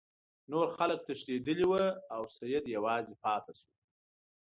نور خلک تښتیدلي وو او سید یوازې پاتې شو.